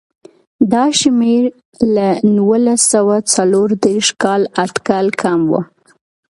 دا شمېر له نولس سوه څلور دېرش کال اټکل کم و.